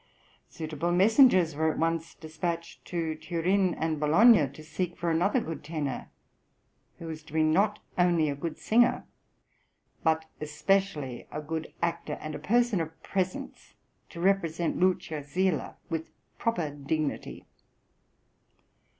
Suitable messengers were at once despatched to Turin and Bologna, to seek for another good tenor, who was to be not only a good singer, "but especially a good actor, and a person of presence, to represent Lucio Silla with proper dignity."